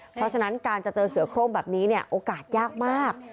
เพราะฉะนั้นการจะเจอเสือโครงแบบนี้เนี่ยโอกาสยากมาก